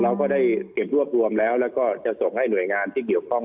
เราก็ได้เก็บรวบรวมแล้วแล้วก็จะส่งให้หน่วยงานที่เกี่ยวข้อง